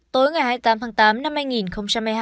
tối ngày hai mươi tám tháng tám năm